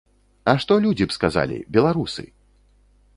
А што людзі б сказалі, беларусы?